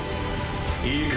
いいか